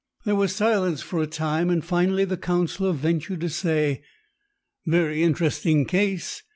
There was silence for a time, and finally the counsellor ventured to say: "Very interesting case!